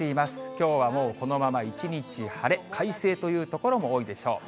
きょうはもうこのまま一日晴れ、快晴という所も多いでしょう。